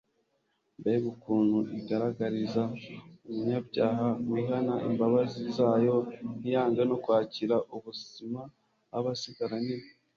mbega ukuntu igaragariza umunyabyaha wihana imbabazi zayo ntiyange no kwakira ubuzima aba asigaranye